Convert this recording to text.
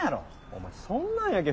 お前そんなんやけ